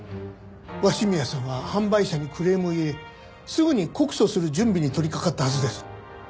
鷲宮さんは販売者にクレームを入れすぐに告訴する準備に取り掛かったはずです。